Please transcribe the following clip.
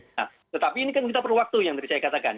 nah tetapi ini kan kita perlu waktu yang tadi saya katakan